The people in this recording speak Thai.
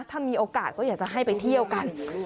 ถ้ามีโอกาสก็อยากจะให้ไปเที่ยวกัน